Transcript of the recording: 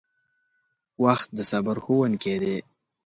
• وخت د صبر ښوونکی دی.